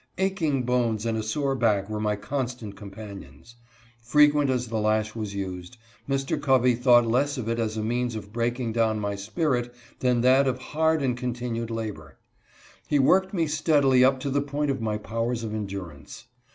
Aching bones and a sore back were my constant companions. Frequent as the lash was used, Mr. Covey thought less of it as a means of breaking down my spirit than that of hard and continued labor. He worked me steadily up to the point of my powers of endurance.